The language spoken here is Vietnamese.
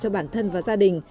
cho bản thân và gia đình